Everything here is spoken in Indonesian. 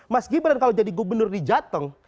mas gibran kalau jadi gubernur di jateng